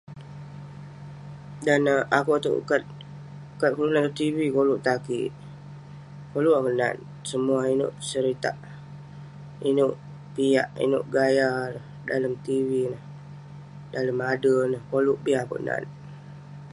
Dan neh akouk itouk, kat- kat kelunan tong tv koluk tan kik. Koluk akouk nat semuah inouk seritak, inouk piak, inouk gaya ireh dalem tv ineh, dalem ader ineh. Koluk bi akouk nat.